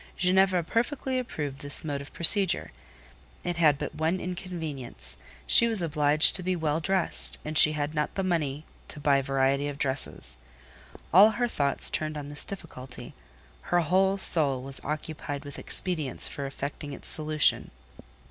Ginevra perfectly approved this mode of procedure: it had but one inconvenience; she was obliged to be well dressed, and she had not money to buy variety of dresses. All her thoughts turned on this difficulty; her whole soul was occupied with expedients for effecting its solution.